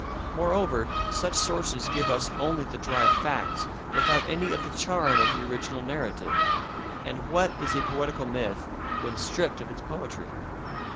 Moreover, such sources give us only the dry facts without any of the charm of the original narrative; and what is a poetical myth when stripped of its poetry?